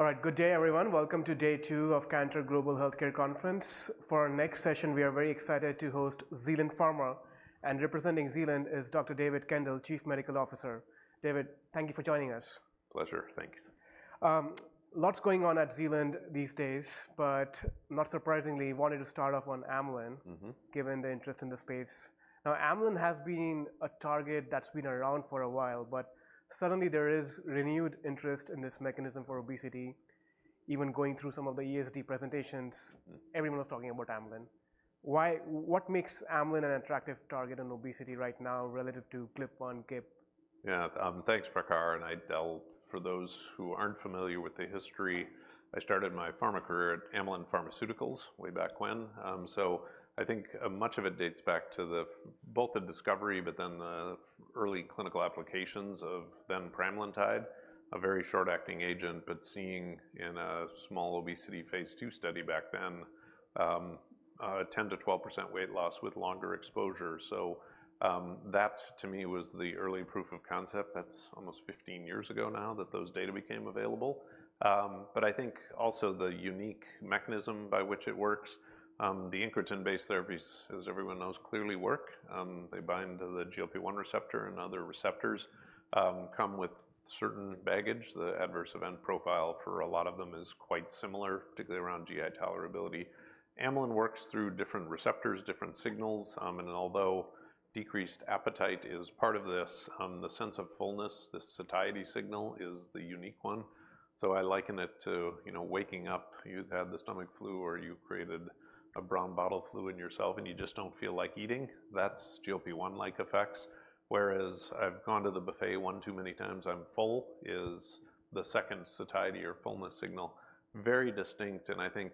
All right, good day, everyone. Welcome to day two of Cantor Global Healthcare Conference. For our next session, we are very excited to host Zealand Pharma. Representing Zealand is Dr. David Kendall, Chief Medical Officer. David, thank you for joining us. Pleasure. Thanks. Lots going on at Zealand these days, but not surprisingly, wanted to start off on amylin given the interest in the space. Mm-hmm. Now, amylin has been a target that's been around for a while, but suddenly there is renewed interest in this mechanism for obesity. Even going through some of the EASD presentations, everyone was talking about amylin. What makes amylin an attractive target in obesity right now relative to GLP-1, GIP? Yeah. Thanks, Prakhar, and I'll tell, for those who aren't familiar with the history, I started my pharma career at Amylin Pharmaceuticals way back when. So I think much of it dates back to the discovery, but then early clinical applications of pramlintide, a very short-acting agent, but seeing in a small obesity phase II study back then a 10-12% weight loss with longer exposure. So that, to me, was the early proof of concept. That's almost 15 years ago now that those data became available. But I think also the unique mechanism by which it works, the incretin-based therapies, as everyone knows, clearly work. They bind to the GLP-1 receptor and other receptors come with certain baggage. The adverse event profile for a lot of them is quite similar, particularly around GI tolerability. Amylin works through different receptors, different signals, and although decreased appetite is part of this, the sense of fullness, the satiety signal, is the unique one. So I liken it to, you know, waking up, you've had the stomach flu, or you've created a brown bottle flu in yourself, and you just don't feel like eating. That's GLP-1-like effects. Whereas I've gone to the buffet one too many times, I'm full, is the second satiety or fullness signal. Very distinct, and I think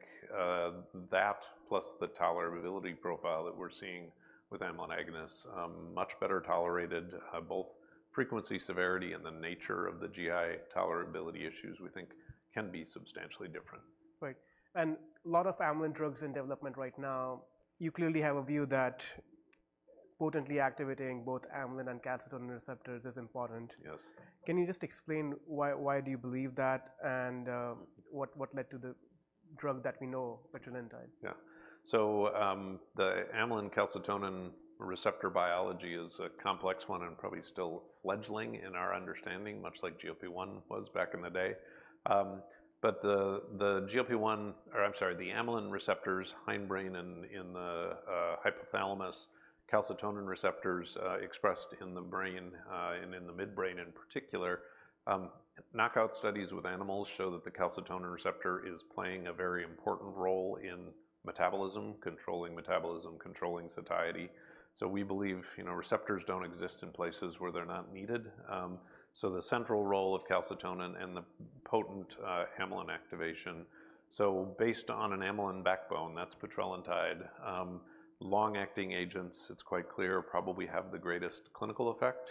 that plus the tolerability profile that we're seeing with amylin agonists, much better tolerated. Both frequency, severity, and the nature of the GI tolerability issues we think can be substantially different. Right. And a lot of amylin drugs in development right now, you clearly have a view that potently activating both amylin and calcitonin receptors is important. Yes. Can you just explain why, why do you believe that, and, what, what led to the drug that we know, petrelintide? Yeah. So, the amylin, calcitonin receptor biology is a complex one and probably still fledgling in our understanding, much like GLP-1 was back in the day. But the GLP-1, or I'm sorry, the amylin receptors, hindbrain and in the hypothalamus, calcitonin receptors expressed in the brain, and in the midbrain in particular. Knockout studies with animals show that the calcitonin receptor is playing a very important role in metabolism, controlling metabolism, controlling satiety. So we believe, you know, receptors don't exist in places where they're not needed. So the central role of calcitonin and the potent amylin activation. So based on an amylin backbone, that's petrelintide. Long-acting agents, it's quite clear, probably have the greatest clinical effect.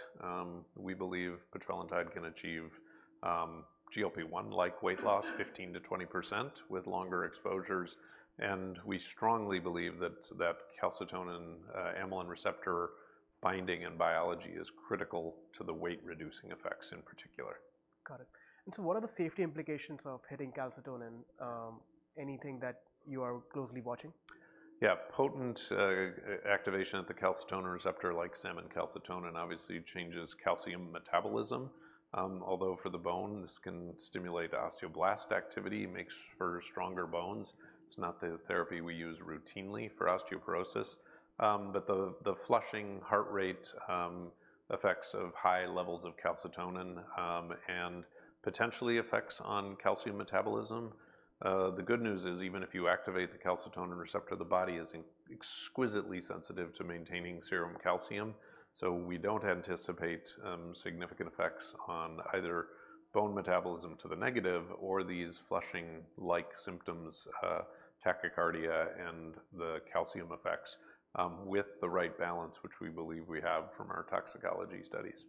We believe petrelintide can achieve GLP-1-like weight loss, 15%-20% with longer exposures, and we strongly believe that calcitonin, amylin receptor binding and biology is critical to the weight-reducing effects in particular. Got it. And so what are the safety implications of hitting calcitonin? Anything that you are closely watching? Yeah. Potent activation at the calcitonin receptor, like salmon calcitonin, obviously changes calcium metabolism. Although for the bone, this can stimulate osteoblast activity, makes for stronger bones. It's not the therapy we use routinely for osteoporosis. But the flushing heart rate effects of high levels of calcitonin and potentially effects on calcium metabolism. The good news is, even if you activate the calcitonin receptor, the body is exquisitely sensitive to maintaining serum calcium, so we don't anticipate significant effects on either bone metabolism to the negative or these flushing-like symptoms, tachycardia and the calcium effects with the right balance, which we believe we have from our toxicology studies.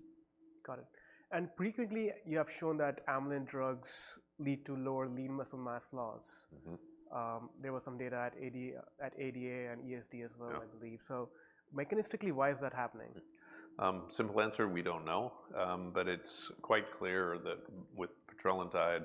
Got it. And previously, you have shown that amylin drugs lead to lower lean muscle mass loss. Mm-hmm. There was some data at ADA and EASD as well. Yeah. ...I believe. So mechanistically, why is that happening? Simple answer, we don't know. But it's quite clear that with petrelintide,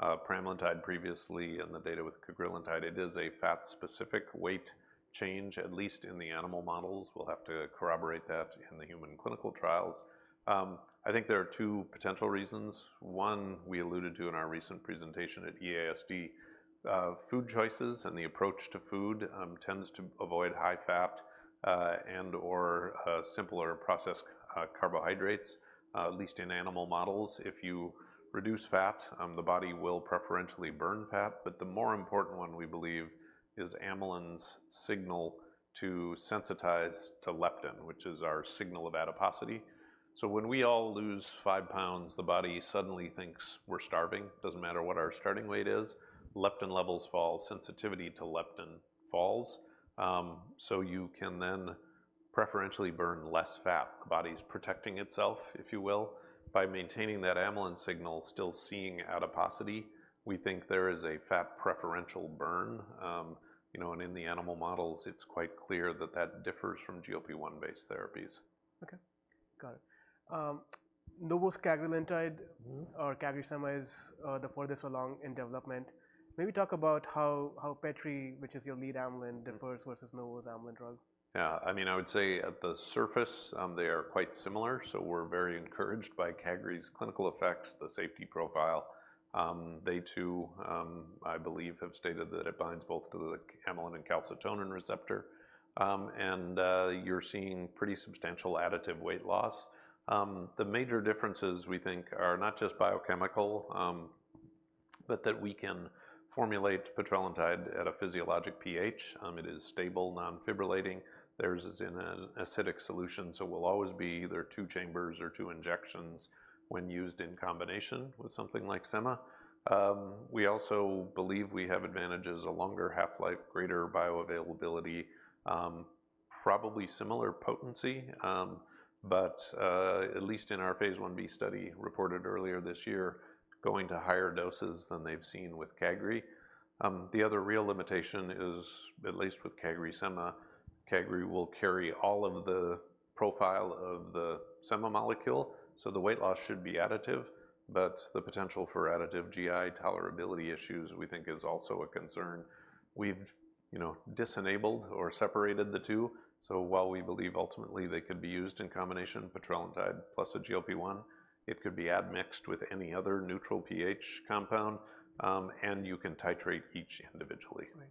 pramlintide previously, and the data with cagrilintide, it is a fat-specific weight change, at least in the animal models. We'll have to corroborate that in the human clinical trials. I think there are two potential reasons. One, we alluded to in our recent presentation at EASD. Food choices and the approach to food tends to avoid high fat and/or simpler processed carbohydrates, at least in animal models. If you reduce fat, the body will preferentially burn fat, but the more important one, we believe, is amylin's signal to sensitize to leptin, which is our signal of adiposity. So when we all lose five pounds, the body suddenly thinks we're starving. Doesn't matter what our starting weight is, leptin levels fall, sensitivity to leptin falls. You can then preferentially burn less fat. The body's protecting itself, if you will. By maintaining that amylin signal, still seeing adiposity, we think there is a fat preferential burn. You know, and in the animal models, it's quite clear that that differs from GLP-1-based therapies. Okay. Got it. Novo's cagrilintide- Mm-hmm. Or CagriSema is the furthest along in development. Maybe talk about how petrelintide, which is your lead amylin, differs versus Novo's amylin drug. Yeah, I mean, I would say at the surface, they are quite similar, so we're very encouraged by CagriSema's clinical effects, the safety profile. They too, I believe, have stated that it binds both to the amylin and calcitonin receptor, and you're seeing pretty substantial additive weight loss. The major differences, we think, are not just biochemical, but that we can formulate petrelintide at a physiologic pH. It is stable, non-fibrillating. Theirs is in an acidic solution, so will always be either two chambers or two injections when used in combination with something like CagriSema. We also believe we have advantages, a longer half-life, greater bioavailability, probably similar potency, but at least in our phase I-B study reported earlier this year, going to higher doses than they've seen with CagriSema. The other real limitation is, at least with CagriSema, cagrilintide will carry all of the profile of the semaglutide molecule, so the weight loss should be additive, but the potential for additive GI tolerability issues, we think, is also a concern. We've, you know, disenabled or separated the two, so while we believe ultimately they could be used in combination, petrelintide plus a GLP-1, it could be admixed with any other neutral pH compound, and you can titrate each individually. Right.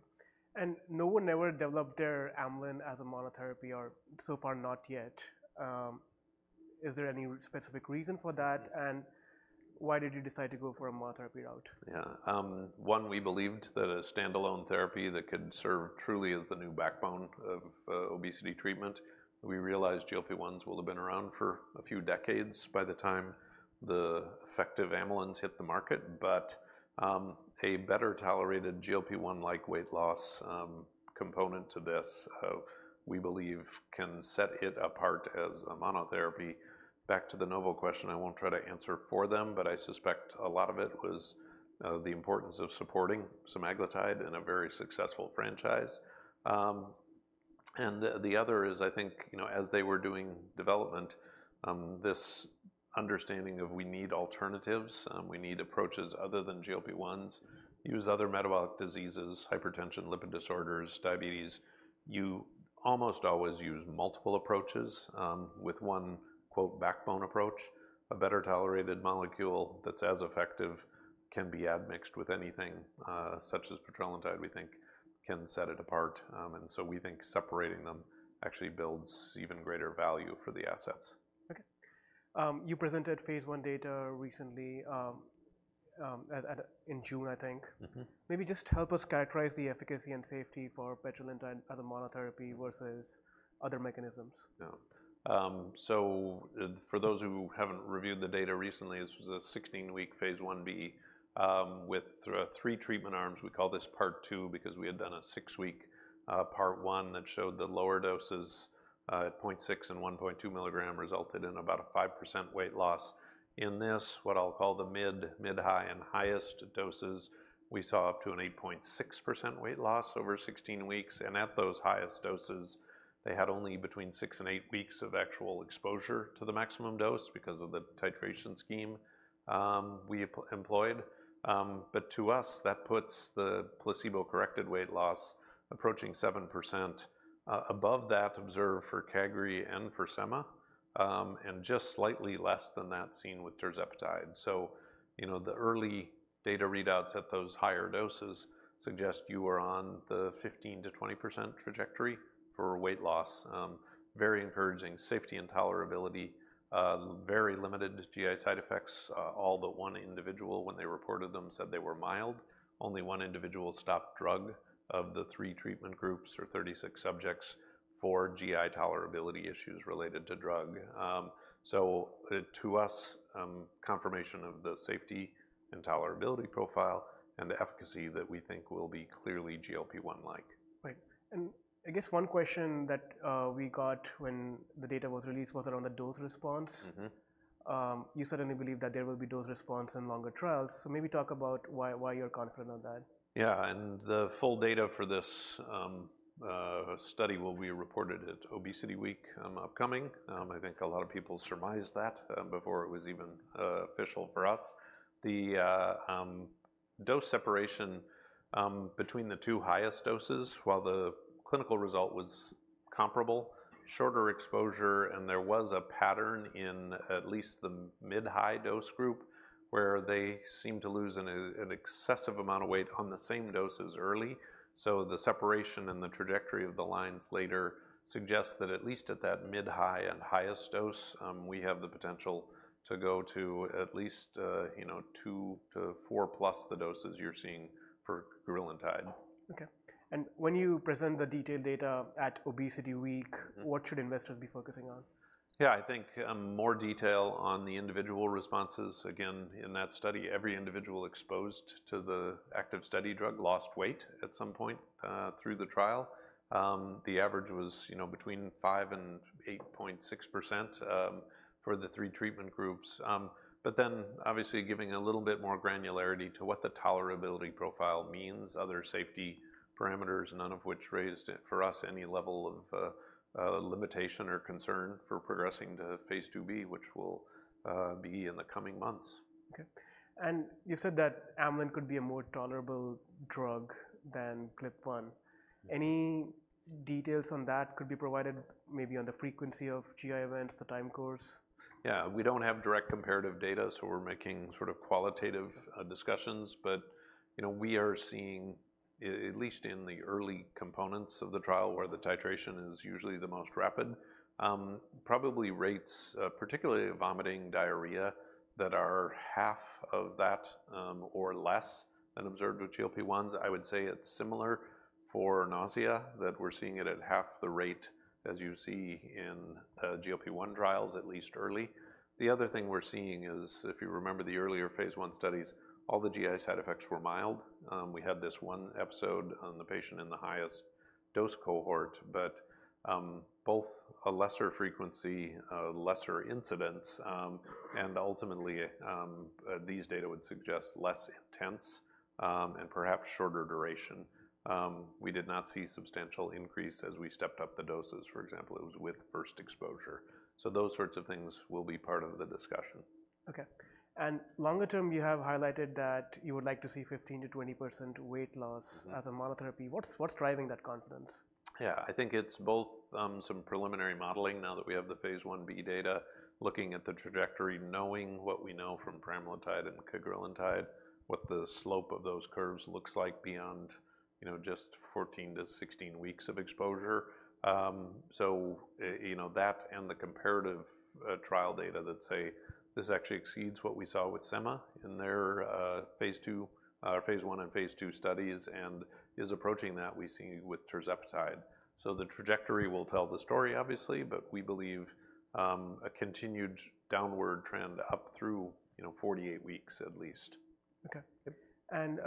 And no one ever developed their amylin as a monotherapy or so far, not yet. Is there any specific reason for that, and why did you decide to go for a monotherapy route? Yeah. One, we believed that a standalone therapy that could serve truly as the new backbone of obesity treatment. We realized GLP-1s will have been around for a few decades by the time the effective amylins hit the market, but a better-tolerated GLP-1 like weight loss component to this, we believe can set it apart as a monotherapy. Back to the Novo question, I won't try to answer for them, but I suspect a lot of it was the importance of supporting semaglutide in a very successful franchise. And the other is, I think, you know, as they were doing development, this understanding of we need alternatives, we need approaches other than GLP-1s. Use other metabolic diseases, hypertension, lipid disorders, diabetes. You almost always use multiple approaches, with one, quote, "backbone approach," a better-tolerated molecule that's as effective can be admixed with anything, such as petrelintide, we think can set it apart. And so we think separating them actually builds even greater value for the assets. Okay. You presented phase I data recently, in June, I think. Mm-hmm. Maybe just help us characterize the efficacy and safety for petrelintide as a monotherapy versus other mechanisms. Yeah. So for those who haven't reviewed the data recently, this was a 16-week phase I-B with three treatment arms. We call this Part II because we had done a 6-week Part I that showed the lower doses at 0.6 and 1.2 milligram resulted in about a 5% weight loss. In this, what I'll call the mid-high and highest doses, we saw up to an 8.6% weight loss over 16 weeks, and at those highest doses, they had only between six and eight weeks of actual exposure to the maximum dose because of the titration scheme we employed. But to us, that puts the placebo-corrected weight loss approaching 7% above that observed for cagrilintide and for semaglutide, and just slightly less than that seen with tirzepatide. So, you know, the early data readouts at those higher doses suggest you are on the 15%-20% trajectory for weight loss. Very encouraging safety and tolerability, very limited GI side effects. All but one individual, when they reported them, said they were mild. Only one individual stopped drug of the three treatment groups or 36 subjects for GI tolerability issues related to drug. So to us, confirmation of the safety and tolerability profile and the efficacy that we think will be clearly GLP-1 like. Right. And I guess one question that we got when the data was released was around the dose response. Mm-hmm. You certainly believe that there will be dose response in longer trials, so maybe talk about why, why you're confident on that. Yeah, and the full data for this study will be reported at ObesityWeek upcoming. I think a lot of people surmised that before it was even official for us. The dose separation between the two highest doses, while the clinical result was comparable, shorter exposure, and there was a pattern in at least the mid-high dose group, where they seemed to lose an excessive amount of weight on the same doses early. So the separation and the trajectory of the lines later suggests that at least at that mid-high and highest dose, we have the potential to go to at least, you know, 2-4+ the doses you're seeing for tirzepatide. Okay, and when you present the detailed data at ObesityWeek- Mm-hmm. What should investors be focusing on? Yeah, I think, more detail on the individual responses. Again, in that study, every individual exposed to the active study drug lost weight at some point, through the trial. The average was, you know, between 5 and 8.6%, for the three treatment groups. But then obviously giving a little bit more granularity to what the tolerability profile means, other safety parameters, none of which raised it, for us, any level of, limitation or concern for progressing to phase II-B, which will, be in the coming months. Okay. And you said that amylin could be a more tolerable drug than GLP-1. Mm-hmm. Any details on that could be provided, maybe on the frequency of GI events, the time course? Yeah, we don't have direct comparative data, so we're making sort of qualitative discussions. But, you know, we are seeing, at least in the early components of the trial where the titration is usually the most rapid, probably rates, particularly vomiting, diarrhea, that are half of that, or less than observed with GLP-1s. I would say it's similar for nausea, that we're seeing it at half the rate as you see in GLP-1 trials, at least early. The other thing we're seeing is, if you remember the earlier phase I studies, all the GI side effects were mild. We had this one episode on the patient in the highest dose cohort, but both a lesser frequency, a lesser incidence, and ultimately these data would suggest less intense, and perhaps shorter duration. We did not see substantial increase as we stepped up the doses, for example. It was with first exposure. So those sorts of things will be part of the discussion. Okay. And longer term, you have highlighted that you would like to see 15%-20% weight loss as a monotherapy. What's driving that confidence? Yeah. I think it's both, some preliminary modeling now that we have the phase I-B data, looking at the trajectory, knowing what we know from pramlintide and cagrilintide, what the slope of those curves looks like beyond, you know, just 14-16 weeks of exposure. So, you know, that and the comparative trial data that say this actually exceeds what we saw with semaglutide in their phase II, phase I and phase II studies, and is approaching that we see with tirzepatide. So the trajectory will tell the story, obviously, but we believe, a continued downward trend up through, you know, 48 weeks at least. Okay. And,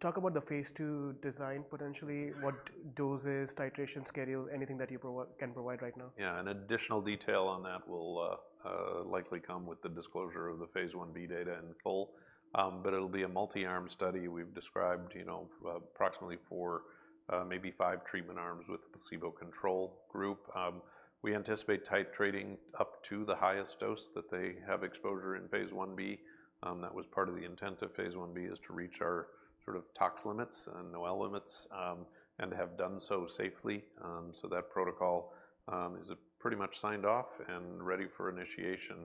talk about the phase II design, potentially what doses, titration schedule, anything that you can provide right now? Yeah, an additional detail on that will likely come with the disclosure of the phase I-B data in full, but it'll be a multi-arm study. We've described, you know, approximately four, maybe five treatment arms with a placebo control group. We anticipate titrating up to the highest dose that they have exposure in phase I-B. That was part of the intent of the phase I-B is to reach our sort of tox limits and NOEL limits, and have done so safely. So that protocol is pretty much signed off and ready for initiation,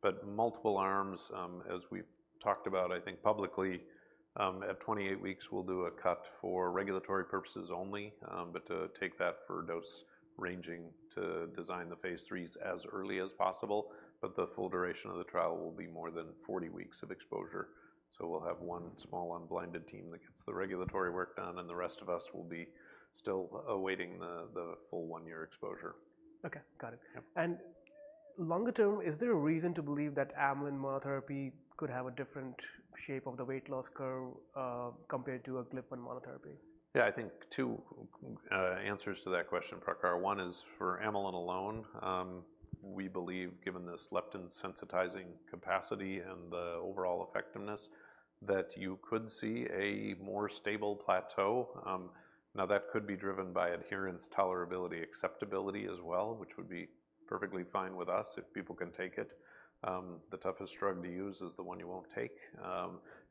but multiple arms, as we've talked about, I think, publicly, at 28 weeks, we'll do a cut for regulatory purposes only. But to take that for dose ranging to design the phase IIIs as early as possible, but the full duration of the trial will be more than 40 weeks of exposure. So we'll have one small, unblinded team that gets the regulatory work done, and the rest of us will be still awaiting the full one-year exposure. Okay, got it. Yeah. Longer term, is there a reason to believe that amylin monotherapy could have a different shape of the weight loss curve, compared to a GLP-1 monotherapy? Yeah, I think two answers to that question, Prakhar. One is for amylin alone, we believe, given this leptin sensitizing capacity and the overall effectiveness, that you could see a more stable plateau. Now, that could be driven by adherence, tolerability, acceptability as well, which would be perfectly fine with us if people can take it. The toughest drug to use is the one you won't take.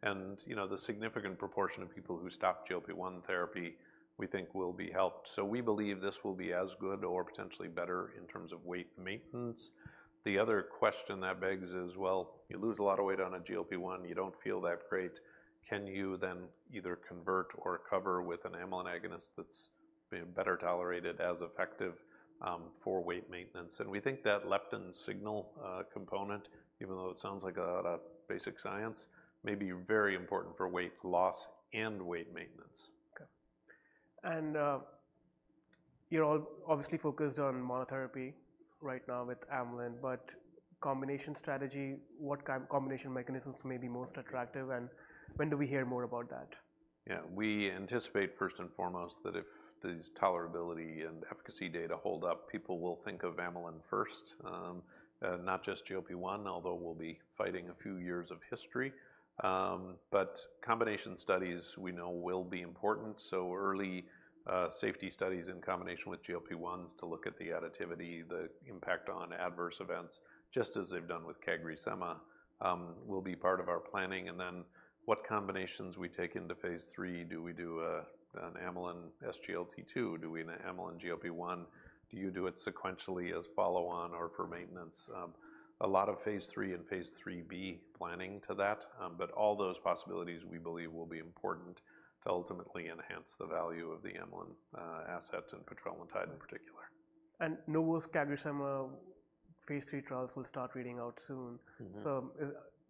And, you know, the significant proportion of people who stop GLP-1 therapy, we think will be helped. So we believe this will be as good or potentially better in terms of weight maintenance. The other question that begs is, well, you lose a lot of weight on a GLP-1, you don't feel that great. Can you then either convert or cover with an amylin agonist that's being better tolerated as effective for weight maintenance? We think that leptin signal component, even though it sounds like a basic science, may be very important for weight loss and weight maintenance. Okay. And, you're all obviously focused on monotherapy right now with amylin, but combination strategy, what kind of combination mechanisms may be most attractive, and when do we hear more about that? Yeah. We anticipate, first and foremost, that if these tolerability and efficacy data hold up, people will think of amylin first, not just GLP-1, although we'll be fighting a few years of history. But combination studies we know will be important. So early, safety studies in combination with GLP-1s to look at the additivity, the impact on adverse events, just as they've done with CagriSema, will be part of our planning, and then what combinations we take into phase III. Do we do an amylin SGLT2? Do we do an amylin GLP-1? Do you do it sequentially as follow-on or for maintenance? A lot of phase III and phase III-B planning to that, but all those possibilities, we believe, will be important to ultimately enhance the value of the amylin, asset and pramlintide in particular. Novo's CagriSema phase III trials will start reading out soon. Mm-hmm. So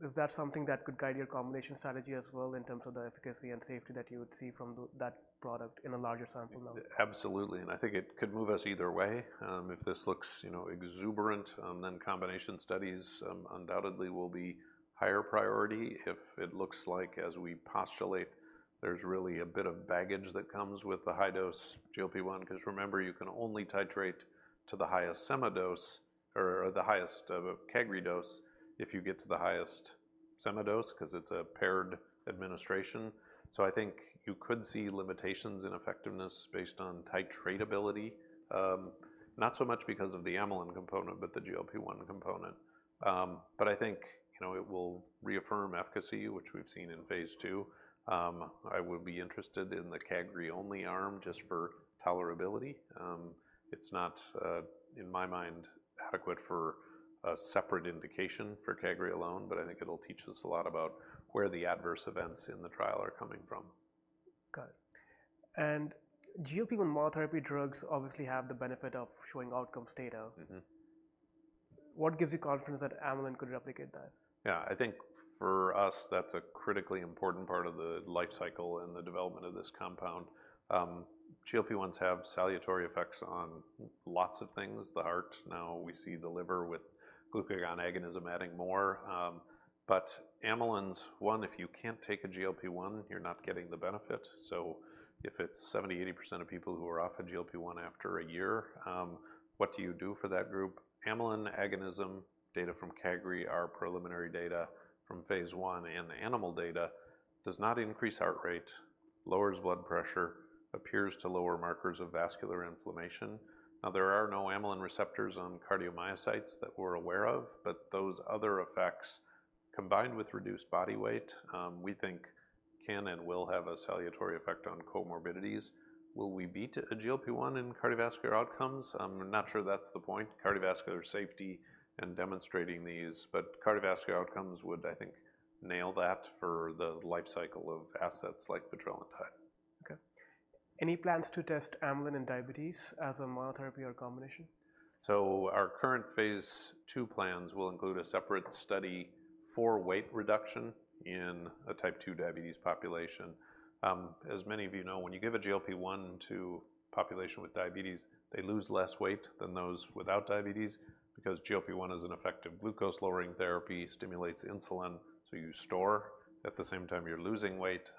is that something that could guide your combination strategy as well in terms of the efficacy and safety that you would see from that product in a larger sample level? Absolutely, and I think it could move us either way. If this looks, you know, exuberant, then combination studies undoubtedly will be higher priority. If it looks like as we postulate, there's really a bit of baggage that comes with the high dose GLP-1, 'cause remember, you can only titrate to the highest semaglutide dose or the highest cagrilintide dose if you get to the highest semaglutide dose, 'cause it's a paired administration. So I think you could see limitations in effectiveness based on titratability, not so much because of the amylin component, but the GLP-1 component. But I think, you know, it will reaffirm efficacy, which we've seen in phase II. I would be interested in the cagrilintide-only arm just for tolerability. It's not, in my mind, adequate for a separate indication for cagrilintide alone, but I think it'll teach us a lot about where the adverse events in the trial are coming from. Got it. And GLP-1 monotherapy drugs obviously have the benefit of showing outcomes data. Mm-hmm. What gives you confidence that amylin could replicate that? Yeah, I think for us, that's a critically important part of the life cycle and the development of this compound. GLP-1s have salutary effects on lots of things, the heart, now we see the liver with glucagon agonism adding more. But amylins, one, if you can't take a GLP-1, you're not getting the benefit. So if it's 70%-80% of people who are off a GLP-1 after a year, what do you do for that group? Amylin agonism, data from Cagri, our preliminary data from phase I, and the animal data does not increase heart rate, lowers blood pressure, appears to lower markers of vascular inflammation. Now, there are no amylin receptors on cardiomyocytes that we're aware of, but those other effects, combined with reduced body weight, we think can and will have a salutary effect on comorbidities. Will we beat a GLP-1 in cardiovascular outcomes? I'm not sure that's the point. Cardiovascular safety and demonstrating these, but cardiovascular outcomes would, I think, nail that for the life cycle of assets like petrelintide. Okay. Any plans to test amylin in diabetes as a monotherapy or combination? So our current phase II plans will include a separate study for weight reduction in a type two diabetes population. As many of you know, when you give a GLP-1 to population with diabetes, they lose less weight than those without diabetes because GLP-1 is an effective glucose-lowering therapy, stimulates insulin, so you store at the same time you're losing weight.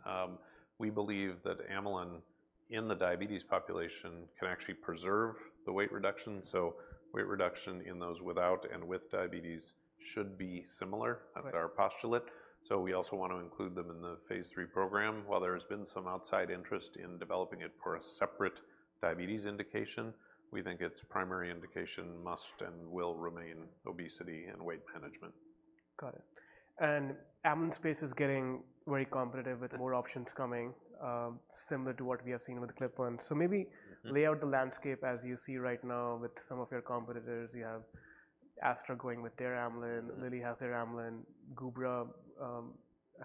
We believe that amylin in the diabetes population can actually preserve the weight reduction, so weight reduction in those without and with diabetes should be similar. Right. That's our postulate. So we also want to include them in the phase III program. While there's been some outside interest in developing it for a separate diabetes indication, we think its primary indication must and will remain obesity and weight management. Got it. And amylin space is getting very competitive- Mm-hmm. -with more options coming, similar to what we have seen with GLP-1, so maybe- Mm-hmm. Lay out the landscape as you see right now with some of your competitors. You have AstraZeneca going with their amylin, Lilly has their amylin, Gubra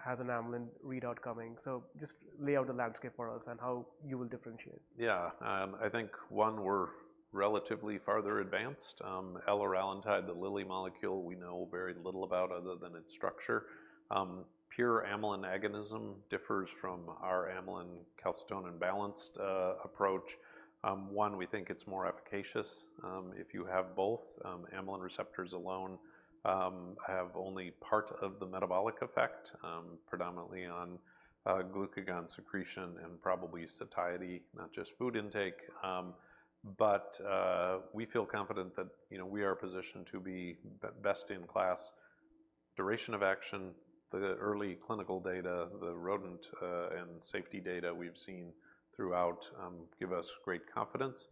has an amylin readout coming. So just lay out the landscape for us and how you will differentiate. Yeah. I think, one, we're relatively farther advanced. Eloralintide, the Lilly molecule, we know very little about other than its structure. Pure amylin agonism differs from our amylin calcitonin balanced approach. One, we think it's more efficacious. If you have both, amylin receptors alone have only part of the metabolic effect, predominantly on glucagon secretion and probably satiety, not just food intake. But we feel confident that, you know, we are positioned to be best-in-class, duration of action, the early clinical data, the rodent and safety data we've seen throughout give us great confidence.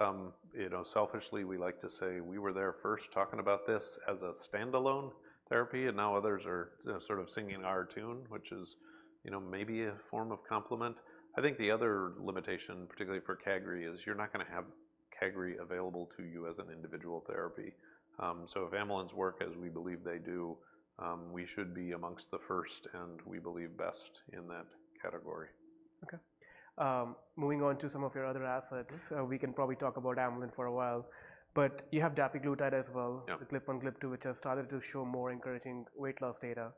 You know, selfishly, we like to say we were there first talking about this as a standalone therapy, and now others are sort of singing our tune, which is, you know, maybe a form of compliment. I think the other limitation, particularly for cagrilintide, is you're not gonna have cagrilintide available to you as an individual therapy. So if amylins work as we believe they do, we should be amongst the first, and we believe best in that category. Okay. Moving on to some of your other assets. Mm-hmm. We can probably talk about amylin for a while, but you have dapiglutide as well. Yeah. The GLP-1, GLP-2, which has started to show more encouraging weight loss data.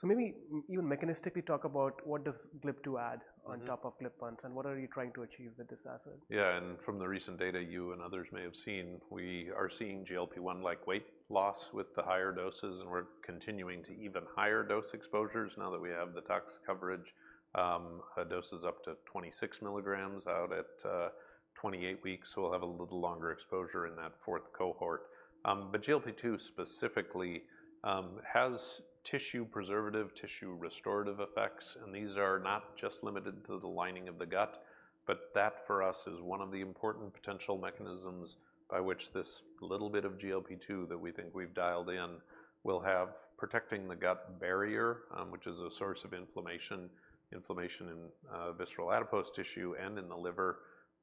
So maybe you mechanistically talk about what does GLP-2 add- Mm-hmm. on top of GLP-1s, and what are you trying to achieve with this asset? Yeah, and from the recent data, you and others may have seen, we are seeing GLP-1 like weight loss with the higher doses, and we're continuing to even higher dose exposures now that we have the tox coverage, doses up to 26 mg out at 28 weeks. So we'll have a little longer exposure in that fourth cohort. But GLP-2 specifically has tissue preservative, tissue restorative effects, and these are not just limited to the lining of the gut, but that, for us, is one of the important potential mechanisms by which this little bit of GLP-2 that we think we've dialed in will have protecting the gut barrier, which is a source of inflammation in visceral adipose tissue. And in the liver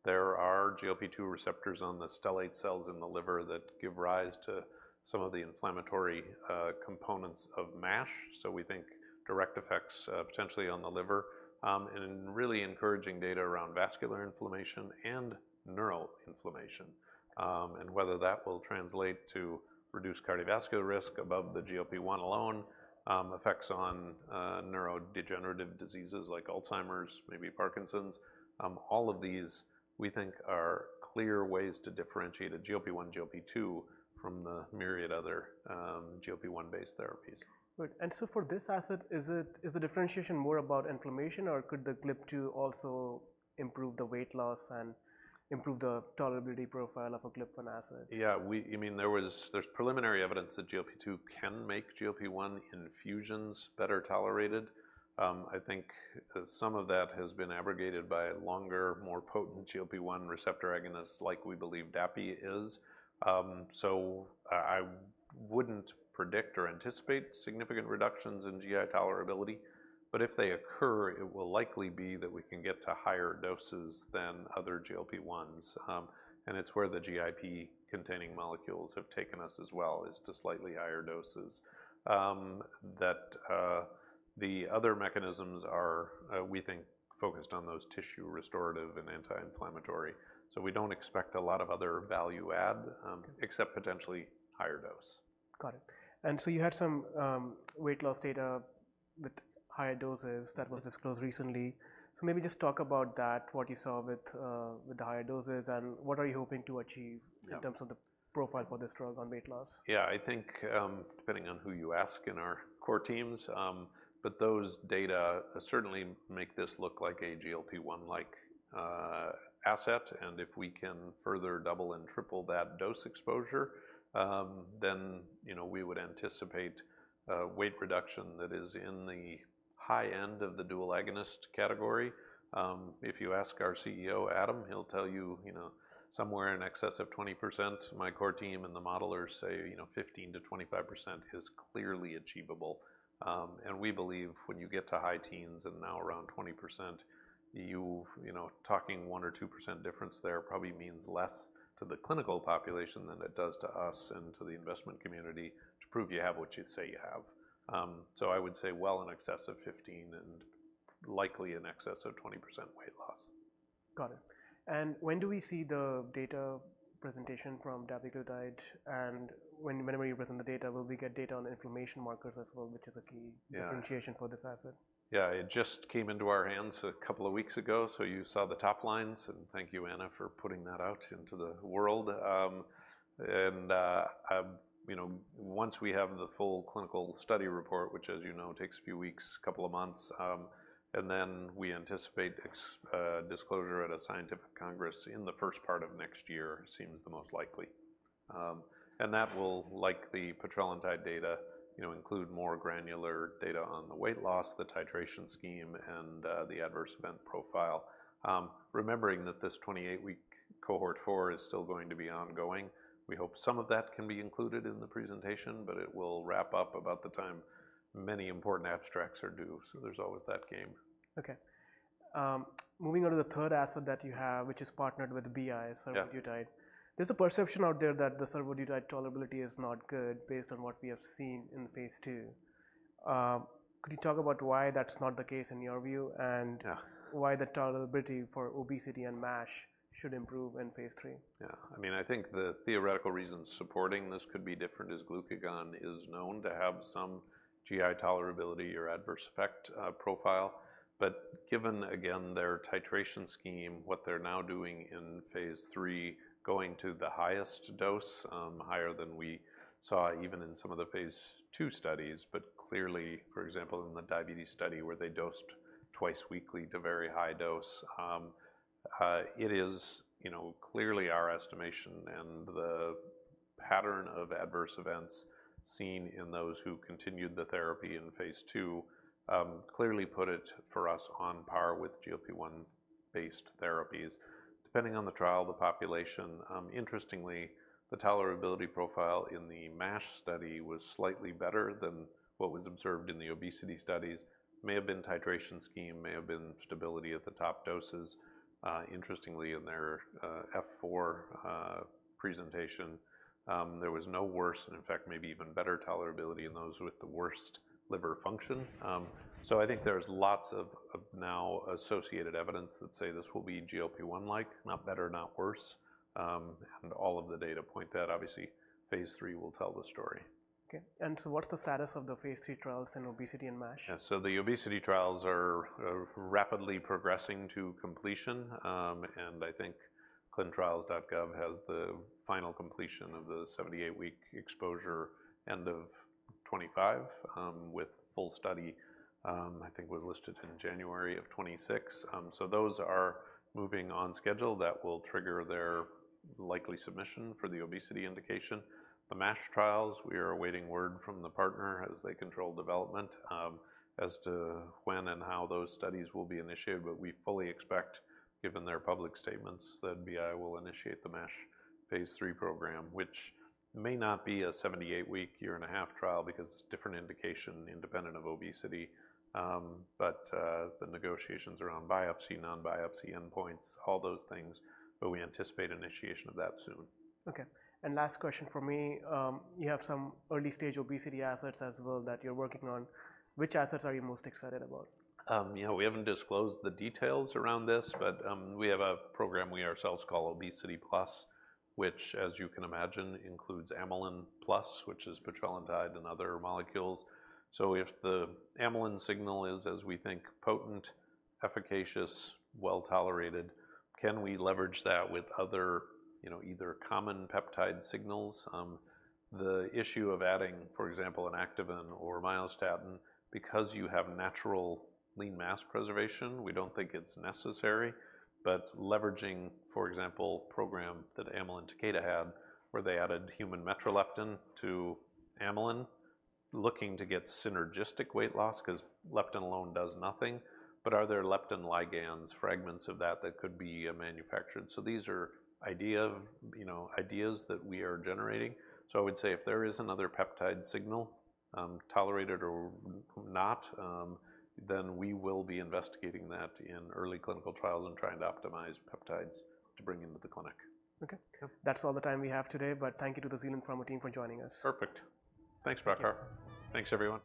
there are GLP-2 receptors on the stellate cells in the liver that give rise to some of the inflammatory components of MASH, so we think direct effects, potentially on the liver, and in really encouraging data around vascular inflammation and neural inflammation, and whether that will translate to reduced cardiovascular risk above the GLP-1 alone, effects on neurodegenerative diseases like Alzheimer's, maybe Parkinson's. All of these, we think are clear ways to differentiate a GLP-1, GLP-2 from the myriad other GLP-1 based therapies. Good. And so for this asset, is the differentiation more about inflammation, or could the GLP-2 also improve the weight loss and improve the tolerability profile of a GLP-1 asset? Yeah, I mean, there's preliminary evidence that GLP-2 can make GLP-1 infusions better tolerated. I think some of that has been abrogated by longer, more potent GLP-1 receptor agonists, like we believe dapiglutide is. So I wouldn't predict or anticipate significant reductions in GI tolerability, but if they occur, it will likely be that we can get to higher doses than other GLP-1s. And it's where the GIP-containing molecules have taken us as well, is to slightly higher doses that the other mechanisms are, we think, focused on those tissue restorative and anti-inflammatory. So we don't expect a lot of other value add, except potentially higher dose. Got it. And so you had some weight loss data with higher doses that were disclosed recently. So maybe just talk about that, what you saw with the higher doses, and what are you hoping to achieve? Yeah In terms of the profile for this drug on weight loss? Yeah, I think, depending on who you ask in our core teams, but those data certainly make this look like a GLP-1-like asset, and if we can further double and triple that dose exposure, then, you know, we would anticipate weight reduction that is in the high end of the dual agonist category. If you ask our CEO, Adam, he'll tell you, you know, somewhere in excess of 20%. My core team and the modelers say, you know, 15%-25% is clearly achievable. We believe when you get to high teens and now around 20%, you know, talking 1% or 2% difference there probably means less to the clinical population than it does to us and to the investment community to prove you have what you'd say you have. I would say well in excess of 15% and likely in excess of 20% weight loss. Got it. And when do we see the data presentation from dapiglutide? And when, whenever you present the data, will we get data on inflammation markers as well, which is a key- Yeah ...differentiation for this asset? Yeah, it just came into our hands a couple of weeks ago, so you saw the top lines, and thank you, Anna, for putting that out into the world. And, you know, once we have the full clinical study report, which, as you know, takes a few weeks, couple of months, and then we anticipate disclosure at a scientific congress in the first part of next year, seems the most likely. And that will, like the petrelintide data, you know, include more granular data on the weight loss, the titration scheme, and the adverse event profile. Remembering that this 28-week cohort four is still going to be ongoing. We hope some of that can be included in the presentation, but it will wrap up about the time many important abstracts are due, so there's always that game. Okay. Moving on to the third asset that you have, which is partnered with BI, survodutide. Yeah. There's a perception out there that the survodutide tolerability is not good based on what we have seen in the phase II. Could you talk about why that's not the case in your view and- Yeah ...why the tolerability for obesity and MASH should improve in phase III? Yeah. I mean, I think the theoretical reasons supporting this could be different, as glucagon is known to have some GI tolerability or adverse effect profile. But given, again, their titration scheme, what they're now doing in phase III, going to the highest dose, higher than we saw even in some of the phase II studies, but clearly, for example, in the diabetes study where they dosed twice weekly to very high dose, it is, you know, clearly our estimation and the pattern of adverse events seen in those who continued the therapy in phase II, clearly put it, for us, on par with GLP-1-based therapies, depending on the trial, the population. Interestingly, the tolerability profile in the MASH study was slightly better than what was observed in the obesity studies. May have been titration scheme, may have been stability at the top doses. Interestingly, in their F4 presentation, there was no worse, and in fact, maybe even better tolerability in those with the worst liver function. So I think there's lots of now associated evidence that say this will be GLP-1 like, not better, not worse. And all of the data point that. Obviously, phase III will tell the story. Okay, and so what's the status of the phase III trials in obesity and MASH? Yeah, so the obesity trials are rapidly progressing to completion. And I think clinicaltrials.gov has the final completion of the 78-week exposure, end of 2025, with full study. I think was listed in January of 26. So those are moving on schedule. That will trigger their likely submission for the obesity indication. The MASH trials, we are awaiting word from the partner as they control development, as to when and how those studies will be initiated, but we fully expect, given their public statements, that BI will initiate the MASH phase III program, which may not be a 78-week, year-and-a-half trial because it's a different indication independent of obesity. But the negotiations around biopsy, non-biopsy endpoints, all those things, but we anticipate initiation of that soon. Okay, and last question from me. You have some early-stage obesity assets as well that you're working on. Which assets are you most excited about? You know, we haven't disclosed the details around this, but we have a program we ourselves call Obesity Plus, which, as you can imagine, includes amylin plus, which is petrelintide and other molecules. So if the amylin signal is, as we think, potent, efficacious, well-tolerated, can we leverage that with other, you know, either common peptide signals? The issue of adding, for example, an activin or myostatin, because you have natural lean mass preservation, we don't think it's necessary. Leveraging, for example, program that Amylin Pharmaceuticals and Takeda had, where they added human metreleptin to amylin, looking to get synergistic weight loss, 'cause leptin alone does nothing. Are there leptin ligands, fragments of that, that could be manufactured? So these are, you know, ideas that we are generating. So I would say if there is another peptide signal, tolerated or not, then we will be investigating that in early clinical trials and trying to optimize peptides to bring into the clinic. Okay. Yeah. That's all the time we have today, but thank you to the Zealand Pharma team for joining us. Perfect. Thanks, Prakhar. Thanks, everyone.